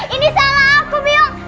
ini salah aku biong